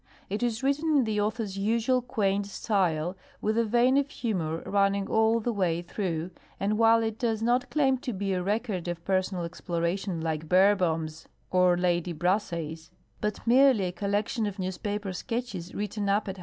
It is written in the author's usual quaint style, with a vein of humor running all the way throiigh; and while it does not claim to be a record of personal e.x ploration like Beerbohm's or Lady Brassey's, but merely a collection of newspaper sketches written up at.